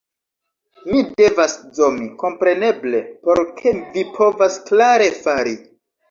Mi devas zomi, kompreneble, por ke vi povas klare fari